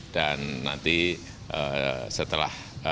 dan nanti setelah